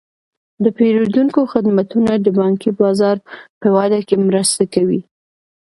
د پیرودونکو خدمتونه د بانکي بازار په وده کې مرسته کوي.